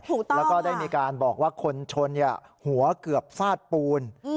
ถูกต้องแล้วก็ได้มีการบอกว่าคนชนหัวเกือบฟาดปูน